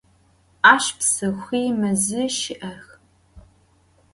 Aş psıxhui mezi şı'ex.